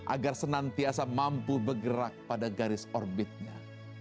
agar senantiasa mampu bergerak pada garis orbitnya